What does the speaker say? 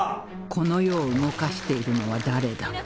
この世を動かしているのは誰だ？